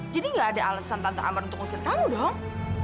jadi gak ada alasan tante ambar untuk usir kamu dong